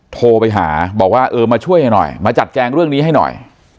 โทรไปหาบอกว่าเออมาช่วยให้หน่อยมาจัดแจงเรื่องนี้ให้หน่อย